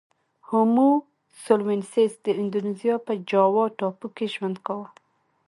هومو سولوینسیس د اندونزیا په جاوا ټاپو کې ژوند کاوه.